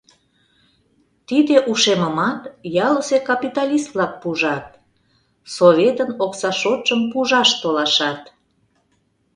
Тиде ушемымат ялысе капиталист-влак пужат, Советын окса шотшым пужаш толашат...